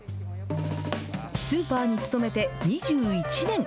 スーパーに勤めて２１年。